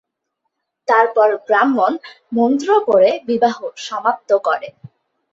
তারপর ব্রাহ্মণ মন্ত্র পড়ে বিবাহ সমাপ্ত করে।